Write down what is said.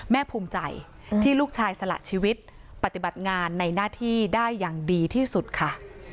ภูมิใจที่ลูกชายสละชีวิตปฏิบัติงานในหน้าที่ได้อย่างดีที่สุดค่ะ